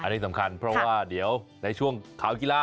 อันนี้สำคัญเพราะว่าเดี๋ยวในช่วงข่าวกีฬา